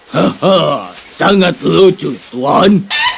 hehehe sangat lucu tuan